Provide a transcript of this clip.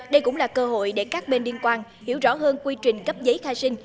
đây cũng là cơ hội để các bên liên quan hiểu rõ hơn quy trình cấp giấy khai sinh